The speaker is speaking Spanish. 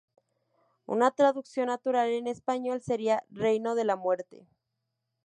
Una traducción natural en español sería "Reino de la Muerte".